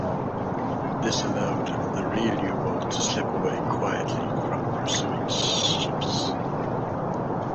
This allowed the real U-boat to slip away quietly from pursuing ships.